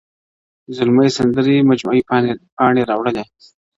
" زلمۍ سندري " مجموعې پاڼي را واړولې